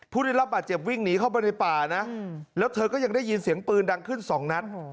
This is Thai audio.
ผู้ได้รับบาดเจ็บวิ่งหนีเข้าไปในป่านะแล้วเธอก็ยังได้ยินเสียงปืนดังขึ้นสองนัด